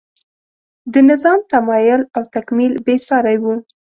د نظام تمایل او تکمیل بې سارۍ و.